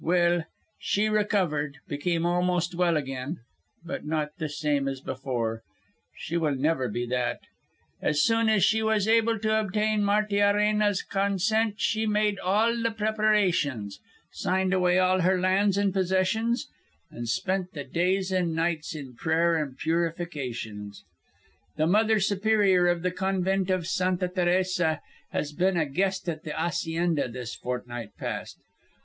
Well, she recovered, became almost well again, but not the same as before. She never will be that. So soon as she was able to obtain Martiarena's consent she made all the preparations signed away all her lands and possessions, and spent the days and nights in prayer and purifications. The Mother Superior of the Convent of Santa Teresa has been a guest at the hacienda this fortnight past.